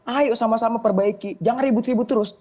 ayo sama sama perbaiki jangan ribut ribut terus